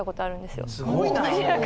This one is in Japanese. すごいな！